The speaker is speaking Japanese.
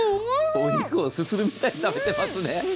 お肉をすするみたいに食べてますね。